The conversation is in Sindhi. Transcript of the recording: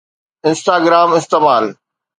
Instagram استعمال